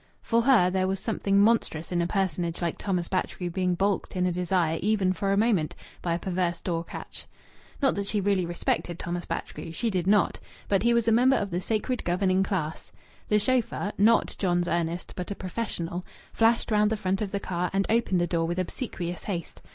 For her there was something monstrous in a personage like Thomas Batchgrew being balked in a desire, even for a moment, by a perverse door catch. Not that she really respected Thomas Batchgrew! She did not, but he was a member of the sacred governing class. The chauffeur not John's Ernest, but a professional flashed round the front of the car and opened the door with obsequious haste.